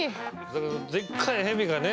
だからでっかいヘビがね